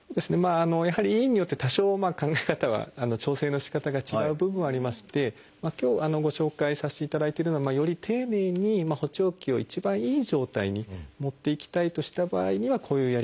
やはり医院によって多少考え方が調整のしかたが違う部分はありまして今日ご紹介させていただいてるのはより丁寧に補聴器を一番いい状態に持っていきたいとした場合にはこういうやり方が。